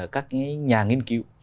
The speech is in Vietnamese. các nhà nghiên cứu